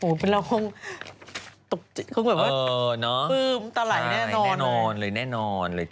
โหพระองค์คงแบบว่าอื้มตะไหลแน่นอนเลย